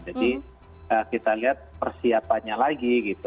jadi kita lihat persiapannya lagi gitu